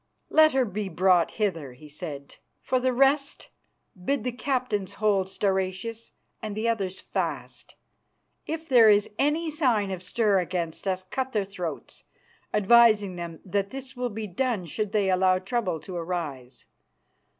"Let her be brought hither," he said. "For the rest, bid the captains hold Stauracius and the others fast. If there is any sign of stir against us, cut their throats, advising them that this will be done should they allow trouble to arise.